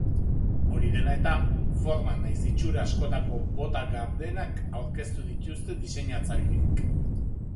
Hori dela eta, forma nahiz itxura askotako bota gardenak aurkeztu dituzte diseinatzaileek.